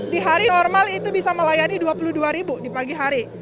di hari normal itu bisa melayani dua puluh dua ribu di pagi hari